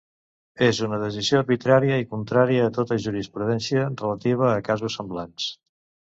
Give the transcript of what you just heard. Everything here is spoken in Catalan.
És una decisió arbitrària i contrària a tota la jurisprudència relativa a casos semblants.